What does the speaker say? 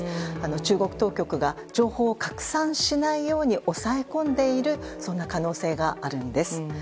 中国当局が情報を拡散しないように抑え込んでいる可能性があるんです。